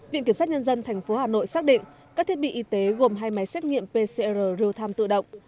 viện kiểm sát nhân dân tp hà nội xác định các thiết bị y tế gồm hai máy xét nghiệm pcr rưu tham tự động